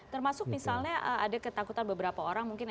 termasuk misalnya ada ketakutan beberapa orang mungkin